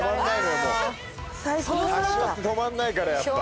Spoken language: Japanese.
柏って止まんないからやっぱ。